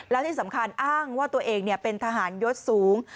และที่สำคัญอ้างว่าตัวเองเป็นทหารยศสูง